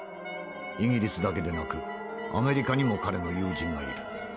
イギリスだけでなくアメリカにも彼の友人がいる。